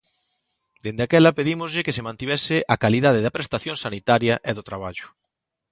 Dende aquela pedímoslle que se mantivese a calidade da prestación sanitaria e do traballo.